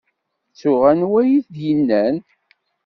Ttuɣ anwa ay t-id-yennan.